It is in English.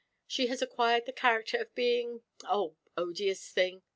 She has acquired the character of being oh, odious thing!